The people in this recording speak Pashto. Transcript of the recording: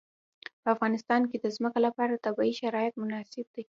په افغانستان کې د ځمکه لپاره طبیعي شرایط مناسب دي.